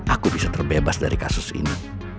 aku bisa terbebas dari kasus ini